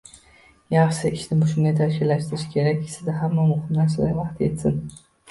Yaxshisi, ishni shunday tashkillashtirish kerakki, sizda hamma muhim narsalarga vaqt yetsin.